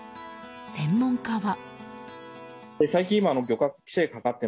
専門家は。